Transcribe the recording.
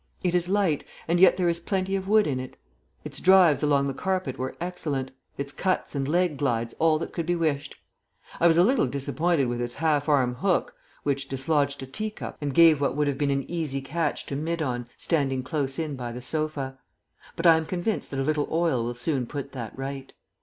It is light, and yet there is plenty of wood in it. Its drives along the carpet were excellent; its cuts and leg glides all that could be wished. I was a little disappointed with its half arm hook, which dislodged a teacup and gave what would have been an easy catch to mid on standing close in by the sofa; but I am convinced that a little oil will soon put that right.